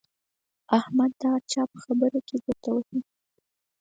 احمد د هر چا په خبره کې ګوته وهي.